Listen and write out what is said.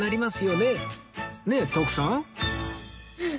ねえ徳さん